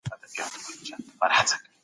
دغه حج دونه برکتي دی چي سړی هک پک پاته کېږي.